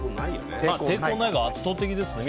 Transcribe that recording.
抵抗ないが圧倒的ですね。